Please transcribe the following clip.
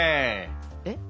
えっ？